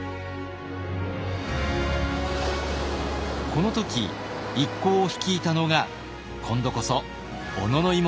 この時一行を率いたのが今度こそ小野妹子でした。